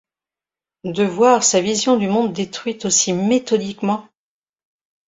de voir sa vision du monde détruite aussi méthodiquement.